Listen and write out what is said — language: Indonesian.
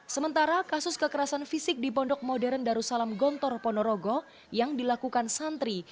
sementara kasus kekerasan fisik di pondok modern darussalam gontor ponorogo yang dilakukan santri